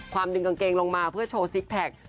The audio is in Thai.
ดึงกางเกงลงมาเพื่อโชว์ซิกแพค